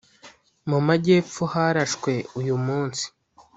mu majyepfo harashwe uyumunsi